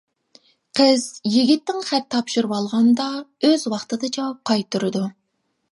قىز يىگىتتىن خەت تاپشۇرۇۋالغاندا، ئۆز ۋاقتىدا جاۋاب قايتۇرىدۇ.